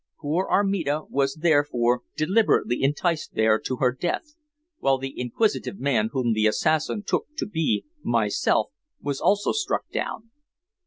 Poor Armida was therefore deliberately enticed there to her death, while the inquisitive man whom the assassin took to be myself was also struck down."